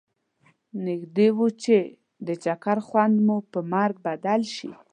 نږدي و چې د چکر خوند مو پر مرګ بدل شي.